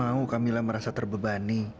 kamu tahu kak mila merasa terbebani